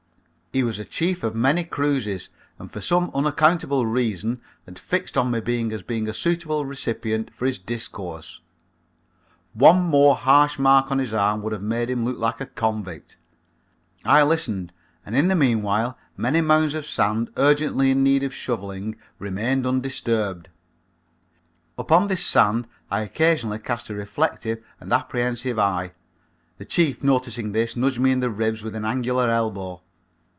He was a chief of many cruises and for some unaccountable reason had fixed on me as being a suitable recipient for his discourse. One more hash mark on his arm would have made him look like a convict. I listened and in the meanwhile many mounds of sand urgently in need of shoveling remained undisturbed. Upon this sand I occasionally cast a reflective and apprehensive eye. The chief, noticing this, nudged me in the ribs with an angular elbow.